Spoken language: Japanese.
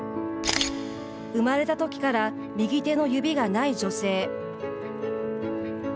生まれた時から右手の指がない女性。